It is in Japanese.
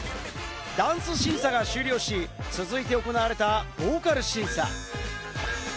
ダンス審査が終了し、続いて行われたボーカル審査。